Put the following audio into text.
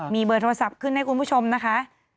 มีเบอร์โทรศัพท์ขึ้นให้คุณผู้ชมนะคะ